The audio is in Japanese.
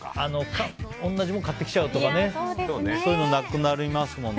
同じもの買ってきちゃうとかそういうのがなくなりますものね。